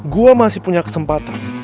gue masih punya kesempatan